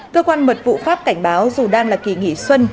cơ quan mật vụ pháp cảnh báo dù đang là kỳ nghỉ xuân